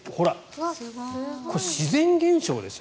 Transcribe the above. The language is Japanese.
これ、自然現象ですよ？